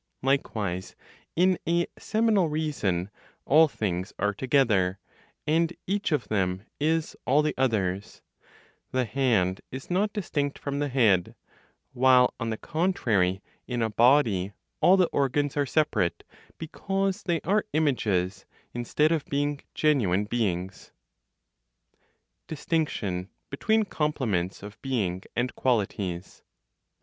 Likewise, in a seminal (reason), all things are together, and each of them is all the others; the hand is not distinct from the head; while, on the contrary, in a body all the organs are separate, because they are images instead of being genuine beings. DISTINCTION BETWEEN COMPLEMENTS OF BEING, AND QUALITIES.